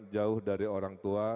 jauh dari orang tua